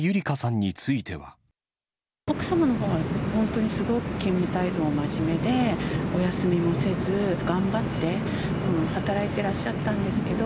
奥様のほうは、本当にすごく勤務態度も真面目で、お休みもせず、頑張って働いてらっしゃったんですけど。